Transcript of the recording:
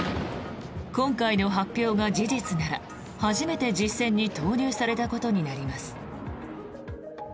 今回の発表が事実なら初めて実戦に投入されたことになります。